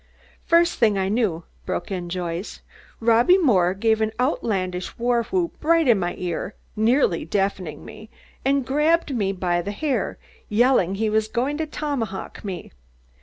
"First thing I knew," broke in Joyce, "Robby Moore gave an outlandish war whoop right in my ear, that nearly deafened me, and grabbed me by my hair, yelling he was going to tomahawk me.